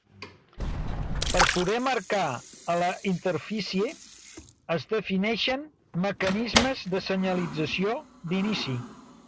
Per poder marcar a la interfície, es defineixen mecanismes de senyalització "d'inici".